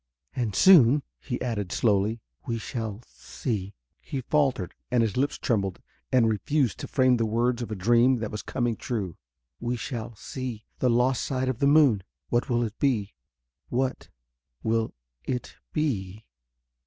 "And soon," he added slowly, "we shall see...." He faltered and his lips trembled and refused to frame the words of a dream that was coming true. "We shall see ... the lost side of the moon. What will it be ... what will it be...?"